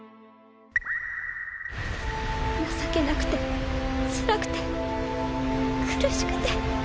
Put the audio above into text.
情けなくてつらくて苦しくて。